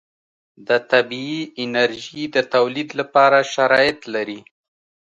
د طبعي انرژي د تولید لپاره شرایط لري.